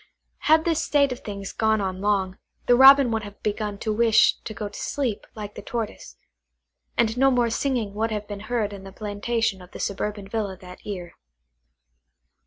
Had this state of things gone on long, the Robin would have begun to wish to go to sleep, like the Tortoise; and no more singing would have been heard in the plantation of the suburban villa that year.